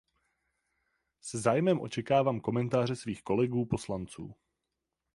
Se zájmem očekávám komentáře svých kolegů poslanců.